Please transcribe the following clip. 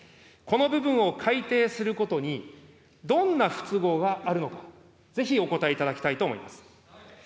この部分を改定することに、どんな不都合があるのか、ぜひお答えいただきたいと思います。